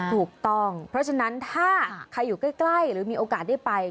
ถูกต้องเพราะฉะนั้นถ้าใครอยู่ใกล้หรือมีโอกาสได้ไป